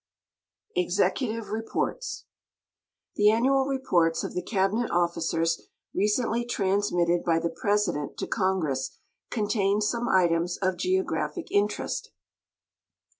EXECUTIVE REPORTS The annual reports of the cabinet officers, recently transmitted by the President to Congress, contain some items of geographic interest.